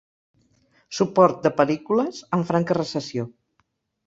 Suport de pel·lícules en franca recessió.